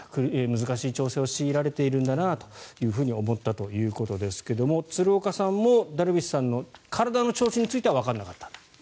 難しい調整を強いられているんだなと思ったということですが鶴岡さんもダルビッシュさんの体の調子についてはわからなかった？